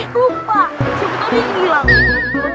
siapa tau dia hilang